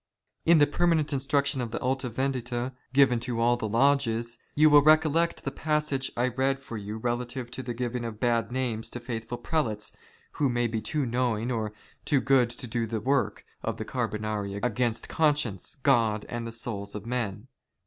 In the permanent instruction of the Alta Vendita, given to all the lodges, ycu will recollect the passage I read for you relative to the giving of bad names to faithful Prelates who may be too knowing or too good to do the work of the Car])onari against conscience, God, and the souls of men.